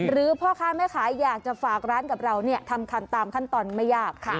หรือพ่อค้าไม่ขายอยากจะฝากร้านกับเราเนี่ยทำตามขั้นตอนไม่ยากค่ะ